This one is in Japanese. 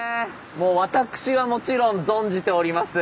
もう私はもちろん存じております。